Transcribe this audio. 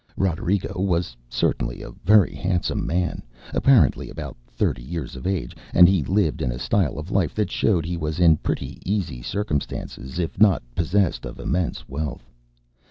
Roderigo was certainly a very handsome man, apparently about thirty years of age, and he lived in a style of life that showed he was in pretty easy circumstances, if not possessed of immense wealth.